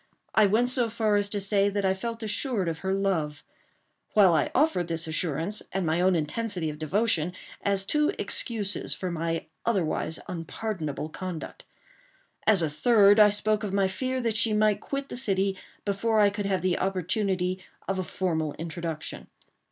I went so far as to say that I felt assured of her love; while I offered this assurance, and my own intensity of devotion, as two excuses for my otherwise unpardonable conduct. As a third, I spoke of my fear that she might quit the city before I could have the opportunity of a formal introduction.